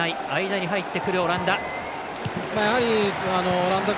間に入ってくるオランダ。